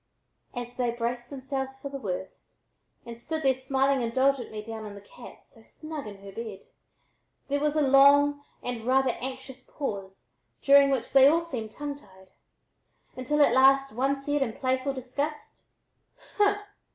As they braced themselves for the worst and stood there smiling indulgently down on the cat so snug in her bed, there was a long and rather anxious pause during which they all seemed tongue tied, until at last one said in playful disgust: "Humph!